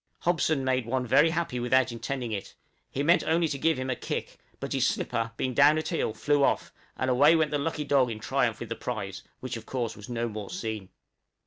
Hobson made one very happy without intending it; he meant only to give him a kick, but his slipper, being down at heel, flew off, and away went the lucky dog in triumph with the prize, which of course was no more seen.